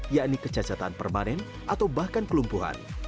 yakni kecacatan permanen atau bahkan kelumpuhan